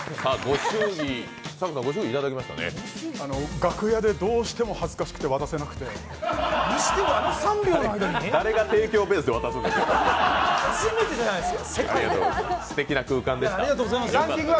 楽屋でどうしても恥ずかしくて渡せなくて。にしてもあの３秒の間に！？誰が提供ベースで渡すんですか。